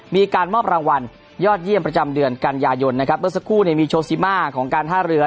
มีการมอบรางวัลยอดเยี่ยมประจำเดือนกันยายนเพราะเพิ่งมีโชซิมาของการท่าเรือ